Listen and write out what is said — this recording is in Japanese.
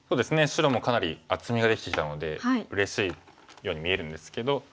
白もかなり厚みができてきたのでうれしいように見えるんですけど。